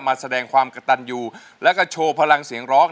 มาแสดงความกระตันอยู่แล้วก็โชว์พลังเสียงร้อง